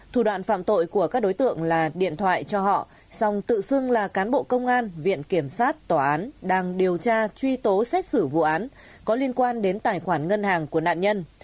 thủ đoạn phạm tội của các đối tượng là điện thoại cho họ song tự xưng là cán bộ công an viện kiểm sát tòa án đang điều tra truy tố xét xử vụ án có liên quan đến tài khoản ngân hàng của nạn nhân